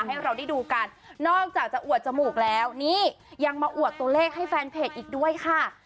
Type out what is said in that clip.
ให้เราได้ดูกันนอกจากจะอวดจมูกแล้วนี่ยังมาอวดตัวเลขให้แฟนเพจอีกด้วยค่ะ